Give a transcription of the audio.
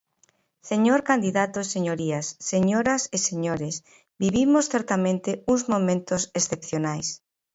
Señor candidato e señorías, señoras e señores, vivimos certamente uns momentos excepcionais.